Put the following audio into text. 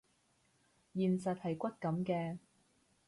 現實係骨感嘅